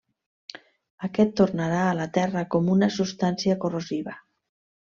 Aquest, tornarà a la terra com una substància corrosiva.